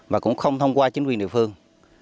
mà cũng không thông qua chính quyền địa phương